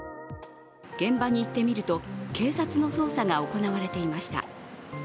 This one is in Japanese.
現場に行ってみると警察の捜査が行われていました。